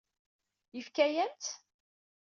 Yefka-yam-t?